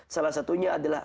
salah satunya adalah